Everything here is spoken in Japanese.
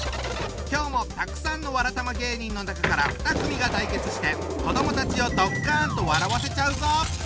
今日もたくさんのわらたま芸人の中から２組が対決して子どもたちをドッカンと笑わせちゃうぞ！